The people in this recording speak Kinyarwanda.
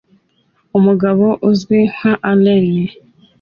Umugabo uzwi nka Alain